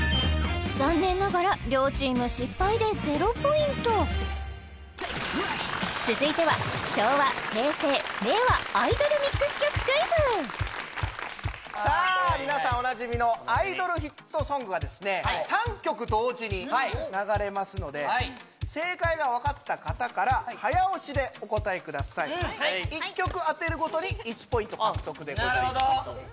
残念ながら両チーム失敗で０ポイント続いては昭和・平成・令和さあ皆さんおなじみのアイドルヒットソングが３曲同時に流れますので正解がわかった方から早押しでお答えください一曲当てるごとに１ポイント獲得でございます